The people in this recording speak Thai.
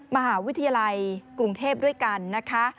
มหาวิทยาลัยกรุงเทพด้วยกันนะคะ